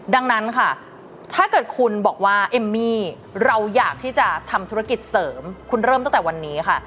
ดังนั้นค่ะถ้าเกิดคุณบอกว่าเอมมี่เราอยากที่จะทำธุรกิจเสริมคุณเริ่มตั้งแต่วันนี้ค่ะ